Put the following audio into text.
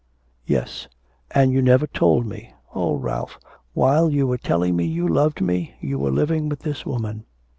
'Yes.' 'And you never told me. Oh, Ralph, while you were telling me you loved me you were living with this woman.'